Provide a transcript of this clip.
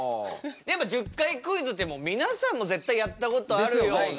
やっぱ１０回クイズってみなさんも絶対やったことあるような。